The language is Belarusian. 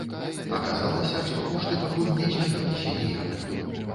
Аказалася, што кошты пакуль не змяніліся ніяк.